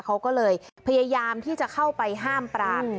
เขาก็เลยพยายามที่จะเข้าไปห้ามปราม